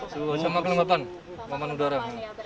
suhu sama kelembapan maman udara